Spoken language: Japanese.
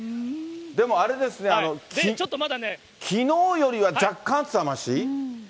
でもあれですね、きのうよりは若干、暑さはまし？